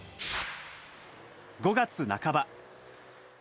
５月半ば。